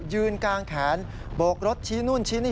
ยืนกางแขนโบกรถชี้นู่นชี้นี่